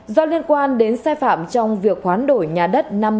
do liên quan đến sai phạm trong việc khoán đổi nhà đất